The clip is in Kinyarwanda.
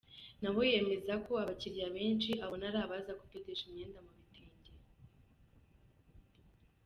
Nawe yemeza ko abakiriya benshi abona ari abaza kudodesha imyenda mu bitenge.